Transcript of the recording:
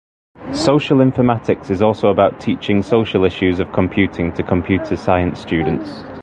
Social informatics is also about teaching social issues of computing to computer science students.